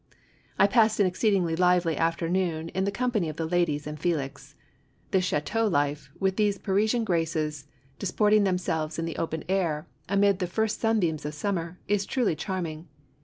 I passed an exceedingly lively afternoon in the com pany of the ladies and Felix. This chateau life, with these Parisian graces disporting themselves in the open air, amid the first sunbeams of summer, is truly charm ing.